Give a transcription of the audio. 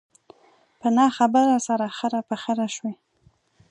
په نه خبره سره خره په خره شوي.